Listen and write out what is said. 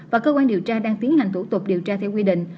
và cơ quan điều tra đang tiến hành thủ tục điều tra theo quy định